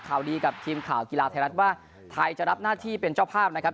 ข่าวดีกับทีมข่าวกีฬาไทยรัฐว่าไทยจะรับหน้าที่เป็นเจ้าภาพนะครับ